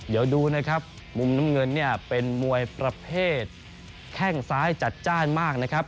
เดี๋ยวดูนะครับมุมน้ำเงินเนี่ยเป็นมวยประเภทแข้งซ้ายจัดจ้านมากนะครับ